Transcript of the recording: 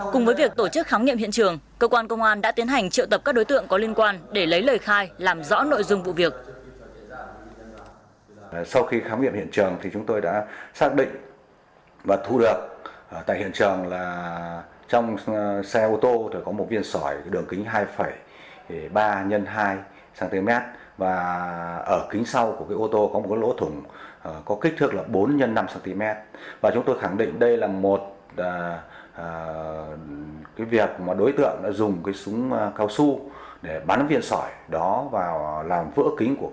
cùng với việc tổ chức khám nghiệm hiện trường cơ quan công an đã tiến hành triệu tập các đối tượng có liên quan để lấy lời khai làm rõ nội dung vụ việc